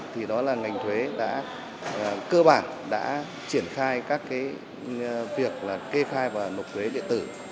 thì đó là ngành thuế đã cơ bản đã triển khai các việc kê khai và nộp thuế điện tử